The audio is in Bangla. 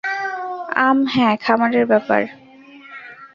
আম, হ্যাঁ, খামারের ব্যাপার।